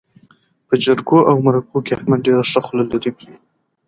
په جرګو او مرکو کې احمد ډېره ښه خوله لري.